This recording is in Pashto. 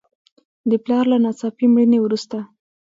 د پلار له ناڅاپي مړینې وروسته.